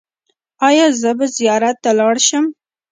ایا زه به زیارت ته لاړ شم؟